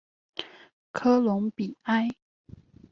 科隆比埃。